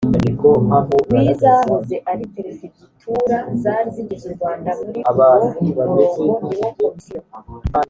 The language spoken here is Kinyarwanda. w izahoze ari perefegitura zari zigize u rwanda muri uwo murongo niwo komisiyo